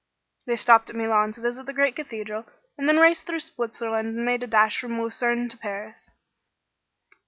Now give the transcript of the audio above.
They stopped at Milan to visit the great cathedral, and then raced through Switzerland and made a dash from Luzerne to Paris.